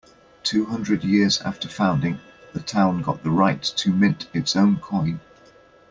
Two hundred years after founding, the town got the right to mint its own coin.